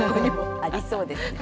ありそうです。